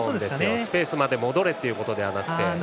スペースまで戻れということではなくて。